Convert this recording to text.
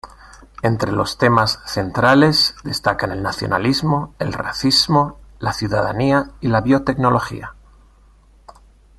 Entre los temas centrales destacan el nacionalismo, el racismo, la ciudadanía y la biotecnología.